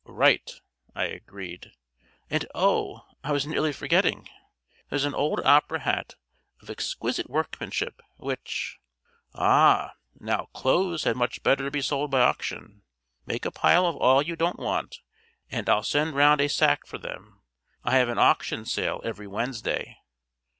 "Right," I agreed. "And, oh, I was nearly forgetting. There's an old opera hat of exquisite workmanship, which " "Ah, now clothes had much better be sold by auction. Make a pile of all you don't want and I'll send round a sack for them: I have an auction sale every Wednesday."